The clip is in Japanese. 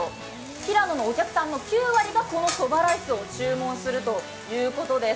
ひらののお客さんの９割がこのそばライスを注文するということです。